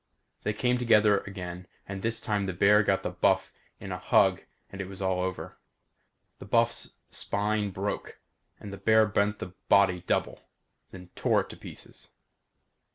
They came together again and this time the bear got the buff in a hug and it was all over. The buff's spine broke and the bear bent the body double, then tore it to pieces.